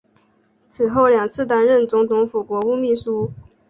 此后两次担任总统府国务秘书。